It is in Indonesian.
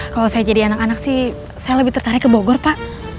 kalau saya jadi anak anak sih saya lebih tertarik ke bogor pak